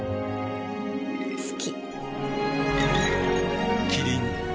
好き。